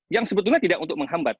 yang sebetulnya tidak untuk menghambat